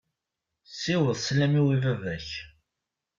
Siweḍ sslam-iw i baba-k.